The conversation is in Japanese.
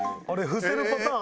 伏せるパターン？